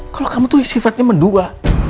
kalo kamu tuh sifatnya mendua